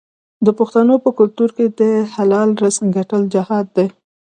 د پښتنو په کلتور کې د حلال رزق ګټل جهاد دی.